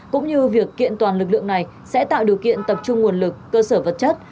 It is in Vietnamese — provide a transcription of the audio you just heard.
cũng như việc kiện toàn lực lượng này sẽ tạo điều kiện tập trung nguồn lực cơ sở vật chất